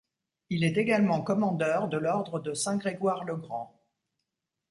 Il est également commandeur de l’ordre de Saint-Grégoire-le-Grand.